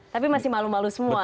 tapi masih malu malu semua